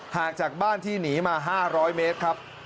ห่างจากบ้านที่หนีมา๕๐๐เมตรครับ